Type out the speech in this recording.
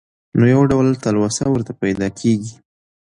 نو يو ډول تلوسه ورته پېدا کيږي.